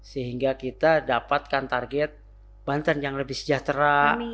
sehingga kita dapatkan target banten yang lebih sejahtera